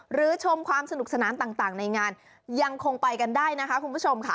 ชมความสนุกสนานต่างในงานยังคงไปกันได้นะคะคุณผู้ชมค่ะ